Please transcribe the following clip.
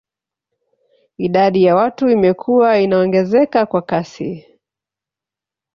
Idadi ya watu imekuwa inaongezeka kwa kasi